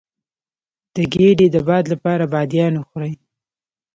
د ګیډې د باد لپاره بادیان وخورئ